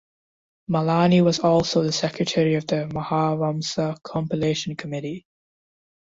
Malani was also the Secretary of the Mahavamsa Compilation Committee.